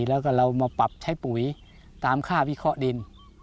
แล้วก็เรามาปรับใช้ปุ๋ยตามค่าวิเคราะห์ดิน